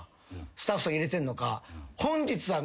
スタッフさんが入れてんのか。